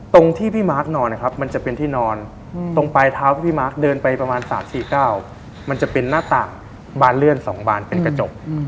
ตรงที่พี่มาร์คนอนนะครับมันจะเป็นที่นอนตรงปลายเท้าพี่มาร์คเดินไปประมาณ๓๔๙มันจะเป็นหน้าต่างบานเลื่อน๒บานเป็นกระจก